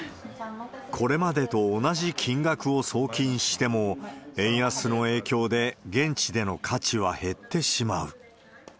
これまでと同じ金額を送金しても、円安の影響で現地での価値は減ってしまう。